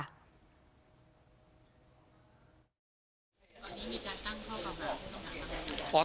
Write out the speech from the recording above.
ตอนนี้มีการตั้งข้อกล่าวหา